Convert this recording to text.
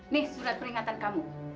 nih surat peringatan kamu